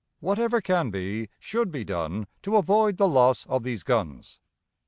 Whatever can be, should be done to avoid the loss of these guns....